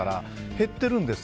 減っているんです。